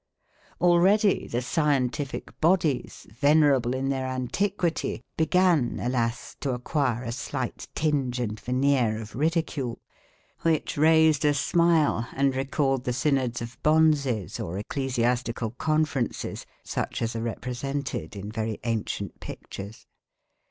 Already the scientific bodies, venerable in their antiquity, began, alas! to acquire a slight tinge and veneer of ridicule, which raised a smile and recalled the synods of bonzes or ecclesiastical conferences, such as are represented in very ancient pictures.